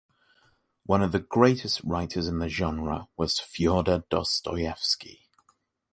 One of the greatest writers of the genre was Fyodor Dostoyevsky.